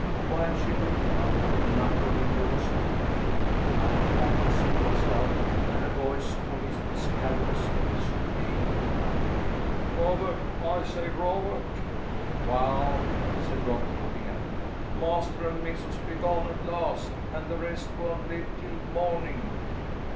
While she looked now, an upper window was opened, a night cap was thrust out and a voice from its cavernous depths hailed the guard. "Robert! I say, Robert!" "Well!" said Robert, looking up. "Master and missus be gone at last, and the rest won't live till morning."